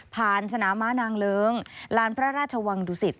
สนามม้านางเลิ้งลานพระราชวังดุสิต